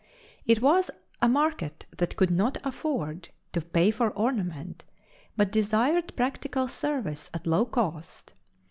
It was a market that could not afford to pay for ornament but desired practical service at low cost.